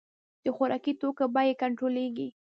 د خوراکي توکو بیې کنټرولیږي